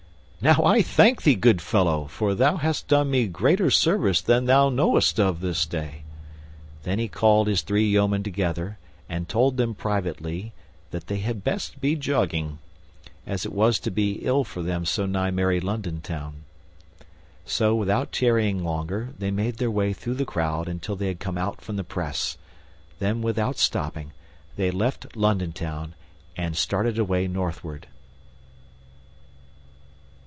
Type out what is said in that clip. "Now, I thank thee, good fellow, for thou hast done me greater service than thou knowest of this day." Then he called his three yeomen together and told them privately that they had best be jogging, as it was like to be ill for them so nigh merry London Town. So, without tarrying longer, they made their way through the crowd until they had come out from the press. Then, without stopping, they left London Town and started away northward.